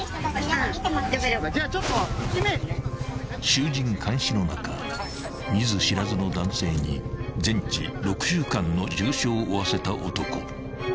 ［衆人環視の中見ず知らずの男性に全治６週間の重傷を負わせた男］